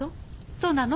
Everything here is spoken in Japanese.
そうなの？